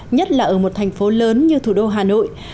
nhất là ở một thành phố lớn như thủ đô hà nội